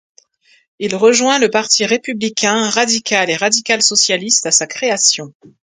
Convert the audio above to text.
Il rejoint le Parti républicain, radical et radical-socialiste à sa création.